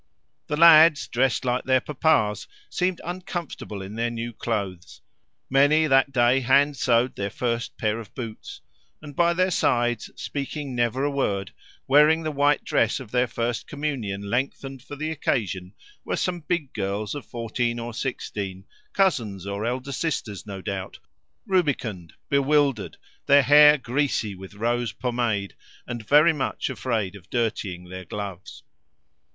The lads, dressed like their papas, seemed uncomfortable in their new clothes (many that day hand sewed their first pair of boots), and by their sides, speaking never a work, wearing the white dress of their first communion lengthened for the occasion were some big girls of fourteen or sixteen, cousins or elder sisters no doubt, rubicund, bewildered, their hair greasy with rose pomade, and very much afraid of dirtying their gloves.